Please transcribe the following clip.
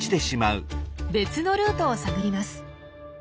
別のルートを探ります。